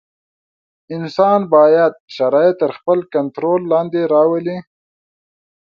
انسان باید شرایط تر خپل کنټرول لاندې راولي.